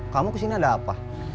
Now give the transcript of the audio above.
kamu kesini ada apa